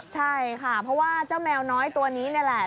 ใช่ค่ะเพราะว่าเจ้าแมวน้อยตัวนี้นี่แหละ